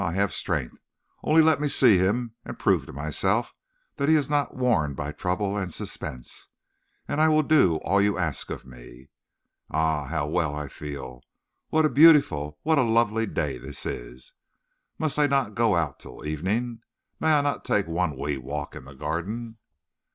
I have strength. Only let me see him, and prove to myself that he is not worn by trouble and suspense, and I will do all you ask of me. Ah, how well I feel! What a beautiful what a lovely day this is! Must I not go out till evening? May I not take one wee walk in the garden?"